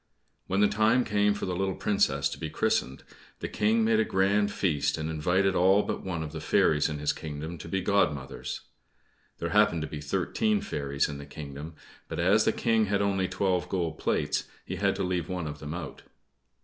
When the time came for the little Princess to be christened, the King made a grand feast and invited all but one of the fairies in his kingdom to be godmothers. There happened to be thirteen fairies in the kingdom; but as the King had only twelve gold plates, he had to leave one of them out.